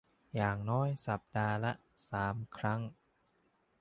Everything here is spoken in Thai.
อย่างน้อยสัปดาห์ละ สาม ครั้ง